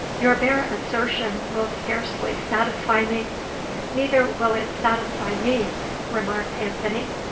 "Your bare assertion will scarcely satisfy me." "Neither will it satisfy me," remarked Anthony.